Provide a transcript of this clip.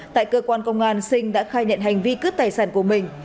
tại cơ quan công an sinh đã khai nhận hành vi cướp tài sản của mình